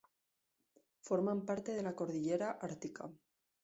Forman parte de la cordillera Ártica.